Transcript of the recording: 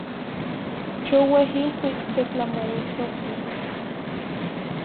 Choueh iluitl setlamouitzoti.